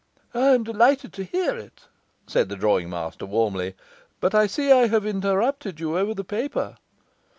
'I am delighted to hear it,' said the drawing master warmly. 'But I see I have interrupted you over the paper.